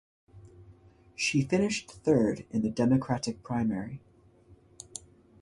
She finished third in the Democratic primary.